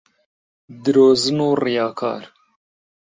درۆزن و ڕیاکار